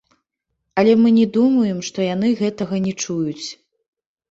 Але мы не думаем, што яны гэтага не чуюць.